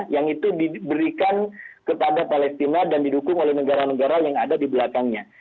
yang itu diberikan kepada palestina dan didukung oleh negara negara yang ada di belakangnya